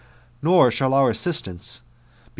Nor ^hall <>ut assistance be.